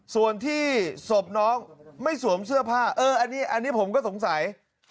ส่วนที่ศพน้องไม่สวมเสื้อผ้าเอออันนี้ผมก็สงสัย